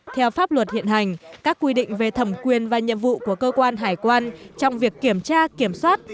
theo pháp luật hiện hành các quy định về thẩm quyền và nhiệm vụ của cơ quan hải quan trong việc kiểm tra kiểm soát